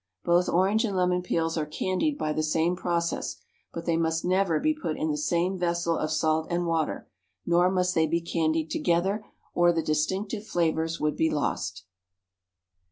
Both orange and lemon peels are candied by the same process, but they must never be put in the same vessel of salt and water, nor must they be candied together, or the distinctive flavors would be lost.